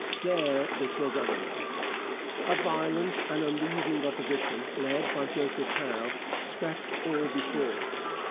There it was otherwise. A violent and unreasoning opposition, led by Joseph Howe, swept all before it.